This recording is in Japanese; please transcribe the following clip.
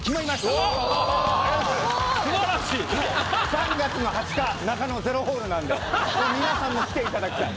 ３月の２０日なかのＺＥＲＯホールなんで皆さんも来ていただきたい。